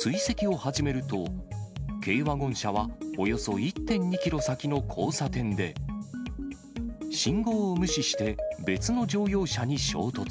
追跡を始めると、軽ワゴン車はおよそ１．２キロ先の交差点で信号を無視して、別の乗用車に衝突。